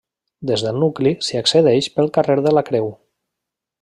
Des del nucli s'hi accedeix pel carrer de la Creu.